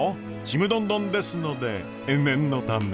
ちむどんどんですので念のため。